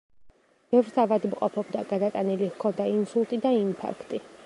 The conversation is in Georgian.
ბევრს ავადმყოფობდა; გადატანილი ჰქონდა ინსულტი და ინფარქტი.